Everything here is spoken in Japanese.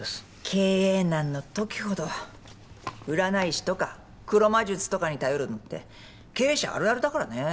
経営難のときほど占い師とか黒魔術とかに頼るのって経営者あるあるだからね。